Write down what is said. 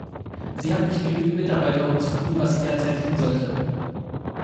Sie hat nicht genügend Mitarbeiter, um zu tun, was sie derzeit tun sollte.